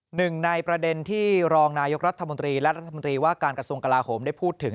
หนึ่งในประเด็นที่รองนายกรัฐมนตรีและรัฐมนตรีว่าการกระทรวงกลาโหมได้พูดถึง